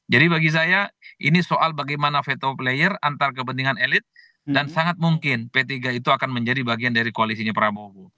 jadi bagi saya ini soal bagaimana veto player antar kepentingan elit dan sangat mungkin p tiga itu akan menjadi bagian dari koalisinya prabowo